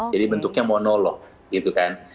jadi bentuknya monolog gitu kan